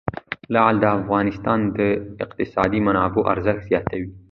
لعل د افغانستان د اقتصادي منابعو ارزښت زیاتوي.